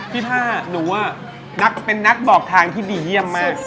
ผ้าหนูเป็นนักบอกทางที่ดีเยี่ยมมาก